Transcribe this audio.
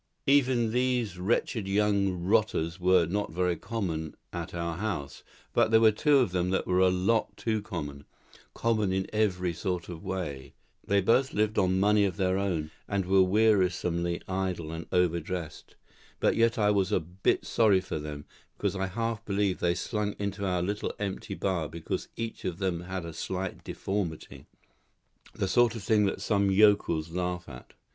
Even these wretched young rotters were not very common at our house; but there were two of them that were a lot too common common in every sort of way. They both lived on money of their own, and were wearisomely idle and over dressed. But yet I was a bit sorry for them, because I half believe they slunk into our little empty bar because each of them had a slight deformity; the sort of thing that some yokels laugh at.